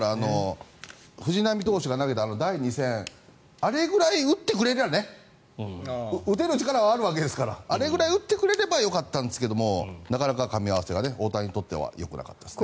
藤浪投手が投げた第２戦あれぐらい打ってくれれば打てる力はあるわけですからあれぐらい打ってくれればよかったんですけどなかなか、かみ合わせが大谷にとってはよくなかったですね。